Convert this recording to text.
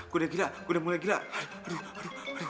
kok udah gila ya